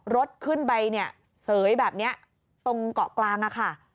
รถขึ้นไปเนี่ยเสยแบบนี้ตรงเกาะกลางอะค่ะ